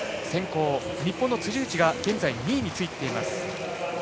日本の辻内が現在２位についています。